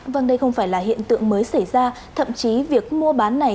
vâng đây không phải là hiện tượng mới xảy ra thậm chí việc mua bán này